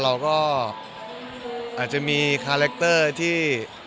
แล้วก็อาจจะมีก็คาแรกเตอร์ที่